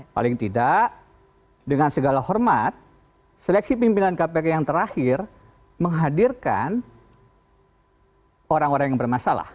paling tidak dengan segala hormat seleksi pimpinan kpk yang terakhir menghadirkan orang orang yang bermasalah